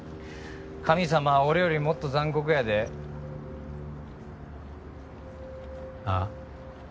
神様は俺よりもっと残酷やでああ？